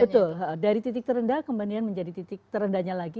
betul dari titik terendah kemudian menjadi titik terendahnya lagi